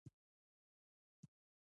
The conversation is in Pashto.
افغانستان د انار له مخې پېژندل کېږي.